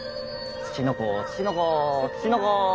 ツチノコツチノコ。